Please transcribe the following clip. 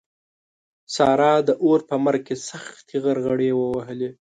سارا د اور په مرګ کې سختې غرغړې ووهلې.